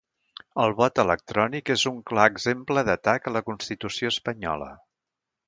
El vot electrònic és un clar exemple d'atac a la constitució espanyola